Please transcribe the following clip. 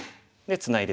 ツナいで